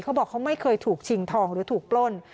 เขาบอกเขาไม่เคยถูกชิงทองหรือถูกปล้น